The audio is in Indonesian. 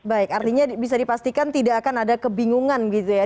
baik artinya bisa dipastikan tidak akan ada kebingungan gitu ya